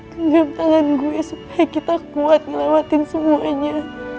kendep tangan gue supaya kita kuat ngelewatin semuanya